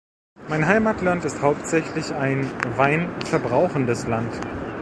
Mein Heimatland ist hauptsächlich ein Wein verbrauchendes Land.